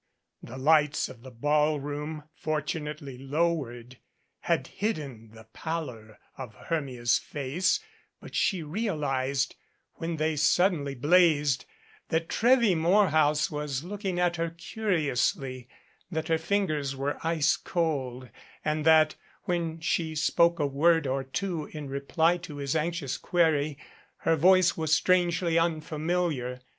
The lights of the ball room, fortunately lowered, had hidden the pallor of Hermia's face but she realized, when they suddenly blazed, that Trevvy Morehouse was looking at her curi ously, that her fingers were ice cold and that, when she spoke a word or two in reply to his anxious query, her voice was strangely unfamiliar.